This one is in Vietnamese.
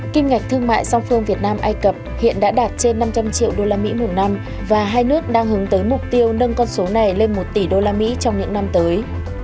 kim ngạch thương mại song phương việt nam ai cập hiện đã đạt trên năm trăm linh triệu usd một năm và hai nước đang hướng tới mục tiêu nâng con số này lên một tỷ usd trong những năm tới